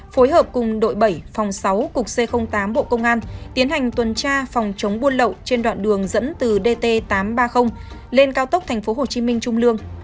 phối hợp cùng đội bảy phòng sáu cục c tám bộ công an tiến hành tuần tra phòng chống buôn lậu trên đoạn đường dẫn từ dt tám trăm ba mươi lên cao tốc tp hcm trung lương